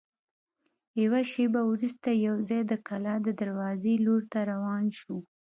یوه شېبه وروسته یوځای د کلا د دروازې لور ته روان شوو.